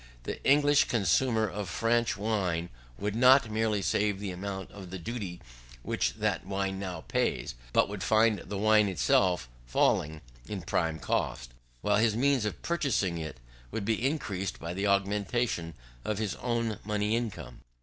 The English consumer of French wine would not merely save the amount of the duty which that wine now pays, but would find the wine itself falling in prime cost, while his means of purchasing it would be increased by the augmentation of his own money income.